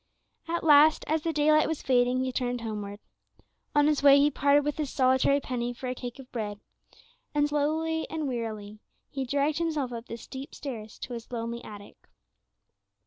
At last, as the daylight was fading, he turned homeward. On his way he parted with his solitary penny for a cake of bread, and slowly and wearily he dragged himself up the steep stairs to his lonely attic.